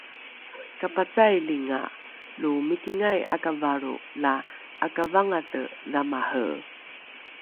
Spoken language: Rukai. kapacailinga lo mikingai ’akavalro la ’akavangate dhamare